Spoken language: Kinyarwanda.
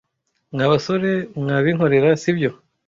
Mwa basore mwabinkorera, sibyo?